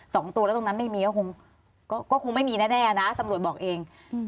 สองตัวแล้วตรงนั้นไม่มีก็คงก็คงไม่มีแน่แน่นะตำรวจบอกเองอืม